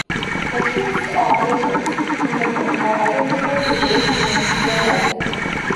The ship's operations in the book are identical to those in its real life.